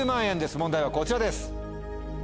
問題はこちらです。